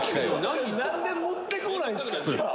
「なんで持ってこないんですか？